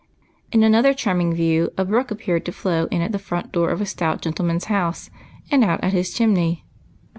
In another charming view a brook appeared to flow in at the front door of a stout gentleman's house, and out at his chimney.